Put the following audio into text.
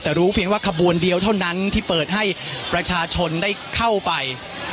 แต่รู้เพียงว่าขบวนเดียวเท่านั้นที่เปิดให้ประชาชนได้เข้าไป